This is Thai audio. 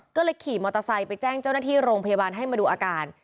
ก็เลยขี่มอเตอร์ไซค์ไปแจ้งเจ้าหน้าที่โรงพยาบาลให้มาดูอาการ